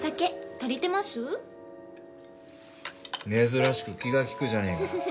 珍しく気が利くじゃねえか。